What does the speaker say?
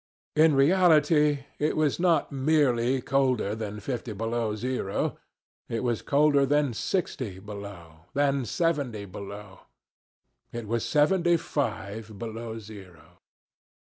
In reality, it was not merely colder than fifty below zero; it was colder than sixty below, than seventy below. It was seventy five below zero.